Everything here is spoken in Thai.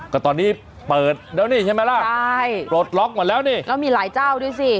ก็ตอนนี้เปิดแล้วนี่ใช่ไหมล่ะใช่ปลดล็อกหมดแล้วนี่แล้วมีหลายเจ้าด้วยสิ